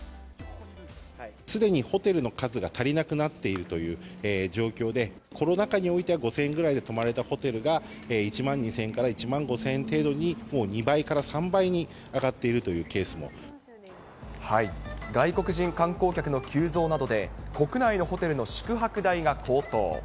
すでにホテルの数が足りなくなっているという状況で、コロナ禍においては、５０００円ぐらいで泊まれたホテルが、１万２０００円から１万５０００円程度に２倍から３倍に上がって外国人観光客の急増などで、国内のホテルの宿泊代が高騰。